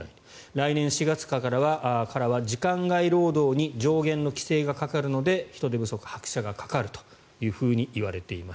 来年４月からは時間外労働に上限の規制がかかるので人手不足に拍車がかかるといわれています。